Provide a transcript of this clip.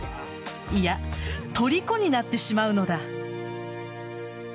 いや、とりこになってしまうのだ。